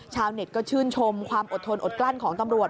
ชาวเน็ตก็ชื่นชมความอดทนอดกลั้นของตำรวจ